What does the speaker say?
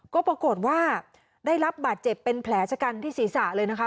ก็ปรากฏว่าได้รับบาดเจ็บเป็นแผลชะกันที่ศีรษะเลยนะคะ